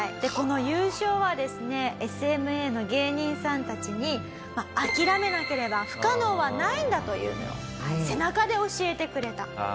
この優勝はですねＳＭＡの芸人さんたちに諦めなければ不可能はないんだというのを背中で教えてくれた。